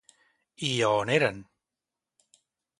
I a on eren?